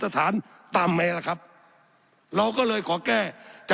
สับขาหลอกกันไปสับขาหลอกกันไป